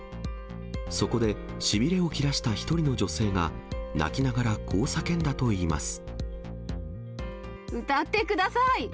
そこで、しびれをきらした一人の女性が、泣きながらこう叫んだと歌ってください！